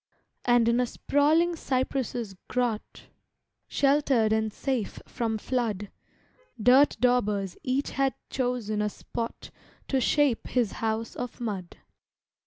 And in a sprawling cypress' grot, Sheltered and safe from flood, Dirt daubers each had chosen a spot To shape his house of mud.